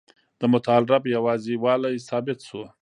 د متعال رب یوازي والی ثابت سو.